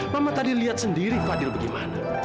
mama tadi lihat sendiri fadil bagaimana